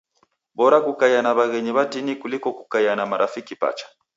Bora kukaia na waghenyi watini kuliko kukaia na marafiki pacha..